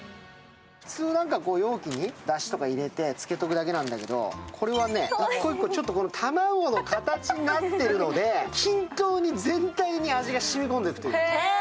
普通容器にだしとか入れて漬けとくだけなんだけど、これはね、１個１個卵の形になっているので、均等に全体に味が染み込んでいくという。